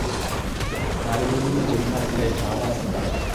ماري ڀولي ۾ جملا ايلايو ٺايا ھي